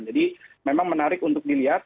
jadi memang menarik untuk dilihat